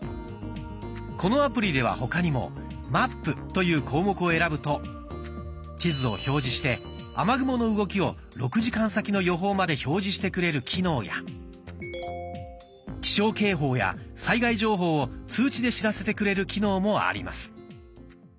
このアプリでは他にも「マップ」という項目を選ぶと地図を表示して雨雲の動きを６時間先の予報まで表示してくれる機能や気象警報や災害情報を通知で知らせてくれる機能もあります。